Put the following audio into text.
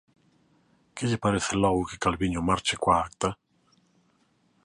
Que lle parece logo que Calviño marche coa acta?